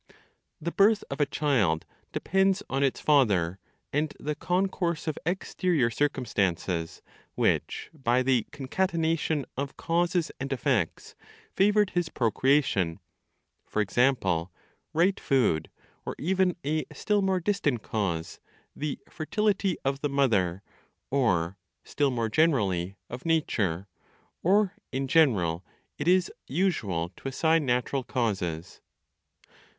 The birth of a child depends on its father, and the concourse of exterior circumstances, which, by the concatenation of causes and effects, favored his procreation; for example, right food, or even a still more distant cause, the fertility of the mother, or, still more generally, of nature (or, in general, it is usual to assign natural causes).